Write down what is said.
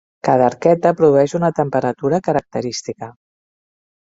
Cada arqueta produeix una temperatura característica.